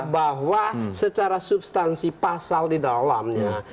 bahwa secara substansi pasal di dalamnya